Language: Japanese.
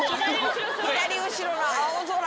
左後ろの青空が。